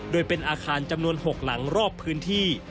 โดยเป็นอาคารจำนวน๖หลังรอบพื้นที่